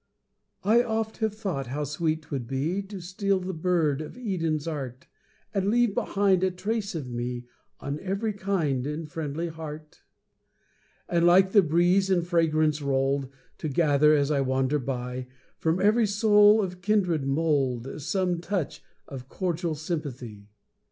I oft have thought how sweet 'twould be To steal the bird of Eden's art; And leave behind a trace of me On every kind and friendly heart, And like the breeze in fragrance rolled, To gather as I wander by, From every soul of kindred mould, Some touch of cordial sympathy.